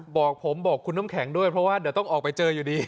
บอกผมบอกคุณน้ำแข็งด้วยเพราะว่าเดี๋ยวต้องออกไปเจออยู่ดี